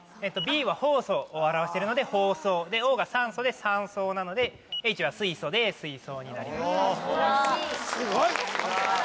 Ｂはホウ素を表してるので放送Ｏが酸素で山荘なのでＨは水素で水槽になりますすごい！